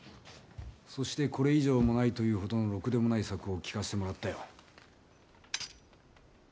そしてこれ以上もないというほどのろくでもない策を聞かせてもらったよ。